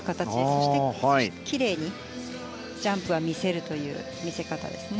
そしてきれいにジャンプは見せるという見せ方ですね。